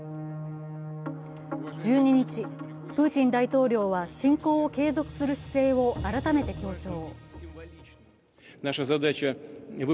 １２日、プーチン大統領は侵攻を継続する姿勢を改めて強調。